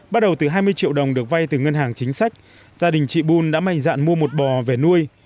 bắt đầu từ hai mươi triệu đồng được vay từ ngân hàng chính sách gia đình chị bun đã mạnh dạn mua một bò về nuôi